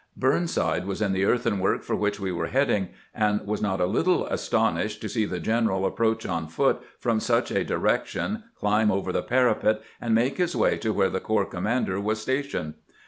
Burnside was in the earthwork for which we were heading, and was not a little aston ished to see the general approach on foot from such a direction, climb over the parapet, and make his way to where the corps commander was stationed.